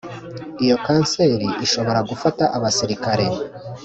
Iyo kanseri ishobora gufata abasirikare